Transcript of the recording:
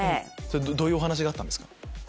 どういうお話だったんですか？